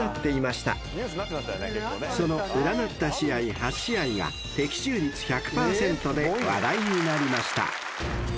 ［その占った試合８試合が的中率１００％で話題になりました］